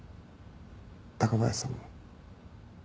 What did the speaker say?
高林さんも。